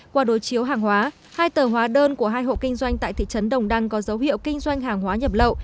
qua đối chiếu hàng hóa hai tờ hóa đơn của hai hộ kinh doanh tại thị trấn đồng đăng có dấu hiệu kinh doanh hàng hóa nhập lậu